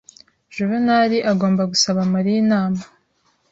Juvenali agomba gusaba Mariya inama.